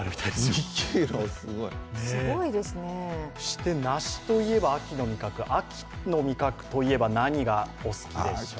そして梨といえば秋の味覚、秋の味覚といえば何がお好きでしょう？